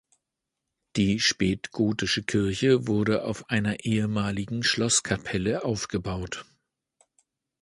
Die spätgotische Kirche wurde auf einer ehemaligen Schlosskapelle aufgebaut.